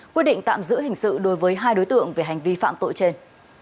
quyết định tạm giữ hình sự đối với hai đối tượng về hành vi phạm tội trên